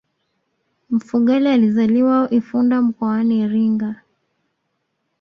mfugale alizaliwa ifunda mkoani iringa